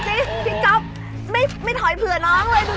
จริงพี่ก๊อฟไม่ถอยเผื่อน้องเลย